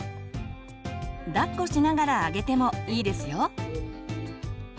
抱っこしながらあげてもいいですよ。